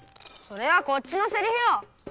それはこっちのセリフよ！